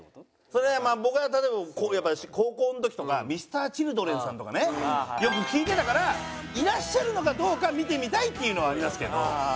それはまあ僕は例えばやっぱ高校の時とかＭｒ．Ｃｈｉｌｄｒｅｎさんとかねよく聴いてたからいらっしゃるのかどうか見てみたいっていうのはありますけど。